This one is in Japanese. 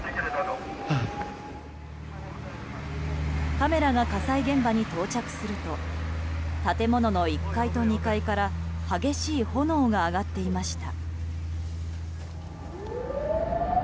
カメラが火災現場に到着すると建物の１階と２階から激しい炎が上がっていました。